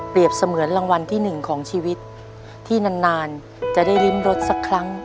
เสมือนรางวัลที่หนึ่งของชีวิตที่นานจะได้ริมรถสักครั้ง